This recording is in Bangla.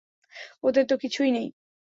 ওদের তো কিছুই নেই।